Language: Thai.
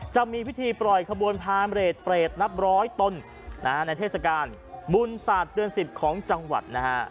จะมีพิธีปล่อยขบวนพาเรทเปรตนับร้อยต้นในเทศกาลบุญศาสตร์เดือน๑๐ของจังหวัดนะฮะ